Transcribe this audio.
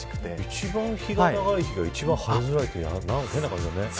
一番、日が長い日が一番晴れづらいって変な感じだね。